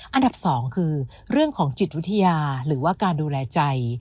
อันดับ๒คือเรื่องของจิตวิทยาหรือว่าการดูแลใจ